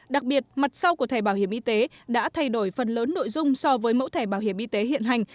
đặc biệt mặt sau của thẻ bảo hiểm y tế đã thay đổi phần lớn nội dung so với mẫu thẻ bảo hiểm y tế hiện hành